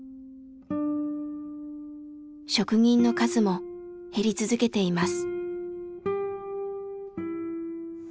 職人の数も減り続けています。